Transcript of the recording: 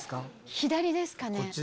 左ですかね。